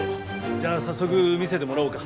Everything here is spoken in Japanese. じゃあ早速見せてもらおうか。